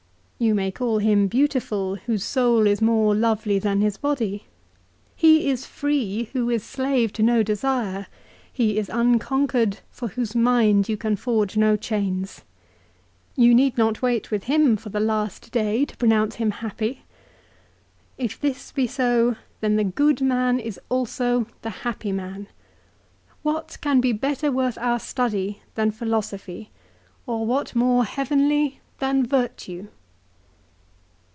You may call him beautiful whose soul is more lovely than his body. He is free who is slave to no desire ; he is un conquered for whose mind you can forge no chains. You him need not wait with him for the last day to pronounce happy. If this be so, then the good man is also the happy man. What can be better worth our study than philosophy, or what more heavenly than virtue